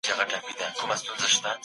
سم نیت خوښي نه ځنډوي.